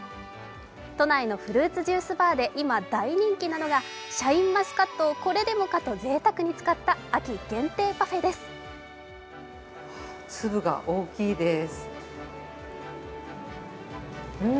都内のフルーツジュースバーで今大人気なのがシャインマスカットをこれでもかとぜいたくに使った秋限定パフェです。